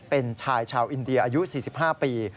เป็นชายชาวอินเดียอายุ๔๕ปี